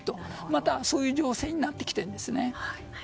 また、そういう情勢にもなってきています。